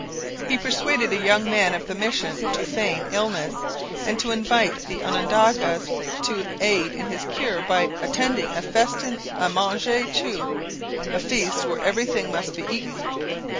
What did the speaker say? He persuaded a young man of the mission to feign illness and to invite the Onondagas to aid in his cure by attending a festin a manger tout a feast where everything must be eaten.